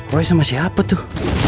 roy sama siapa tuh